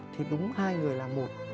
thì đúng hai người là một